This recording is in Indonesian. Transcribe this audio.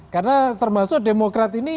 karena termasuk demokrat ini